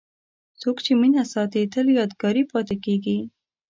څوک چې مینه ساتي، تل یادګاري پاتې کېږي.